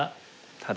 ただ？